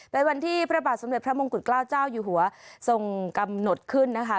เป็นวันที่พระบาทสมเด็จพระมงกุฎเกล้าเจ้าอยู่หัวทรงกำหนดขึ้นนะคะ